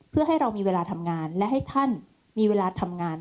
เพื่อให้เรามีเวลาทำงานและให้ท่านมีเวลาทำงาน